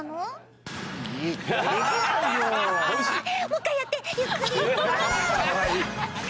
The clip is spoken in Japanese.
もう一回やってゆっくり。